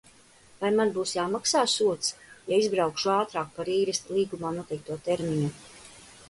Vai man būs jāmaksā sods, ja izbraukšu ātrāk par īres līgumā noteikto termiņu?